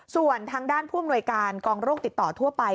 ส่วนทางด้านผู้อำนวยการกองโรคติดต่อทั่วไป